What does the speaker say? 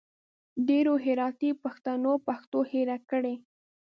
ډېرو هراتي پښتنو پښتو هېره کړي